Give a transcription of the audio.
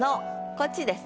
こっちです。